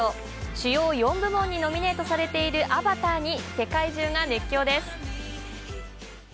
主要４部門にノミネートされている「アバター」に世界中が熱狂です。